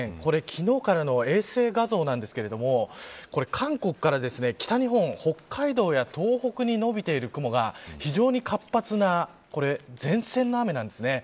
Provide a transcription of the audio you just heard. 昨日からの衛星画像なんですけど韓国から北日本北海道や東北に延びている雲が非常に活発なこれ、前線の雨なんですね。